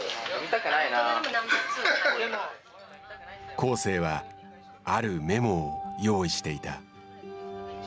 恒成はあるメモを用意していた。